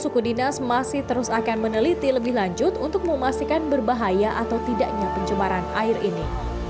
suku dinas masih terus akan meneliti lebih lanjut untuk memastikan berbahaya atau tidaknya pencemaran air ini